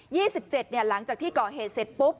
ยี่สิบเจ็ดหลังจากที่เกาะเหตุเสร็จปุ๊บ